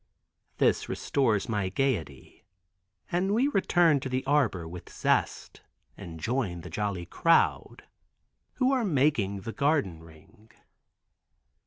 This restores my gaiety and we return to the arbor with zest and join the jolly crowd who are making the garden ring.